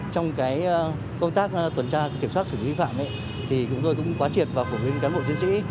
trong công tác tuần tra kiểm soát xử lý vi phạm thì chúng tôi cũng quán triệt và phụ huynh cán bộ chiến sĩ